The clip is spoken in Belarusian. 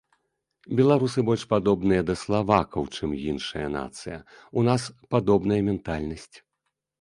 Беларусы больш падобныя да славакаў, чым іншая нацыя, у нас падобная ментальнасць.